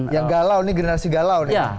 yang galau ini generasi galau nih